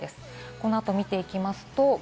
この後を見ていきます。